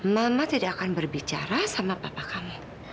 mama tidak akan berbicara sama papa kami